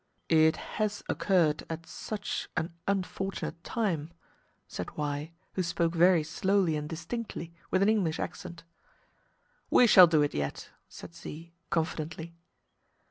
"It has occurred at such an unfortunate time," said Y, who spoke very slowly and distinctly, with an English accent. "We shall do it yet," said Z, confidently.